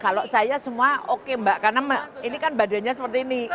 kalau saya semua oke mbak karena ini kan badannya seperti ini